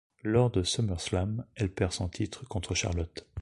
Lors de SummerSlam, elle perd son titre contre Charlotte.